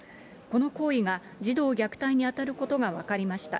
この行為が児童虐待に当たることが分かりました。